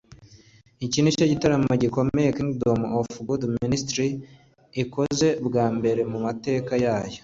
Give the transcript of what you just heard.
Iki ni cyo gitaramo gikomeye Kingdom of God Ministries ikoze bwa mbere mu mateka yayo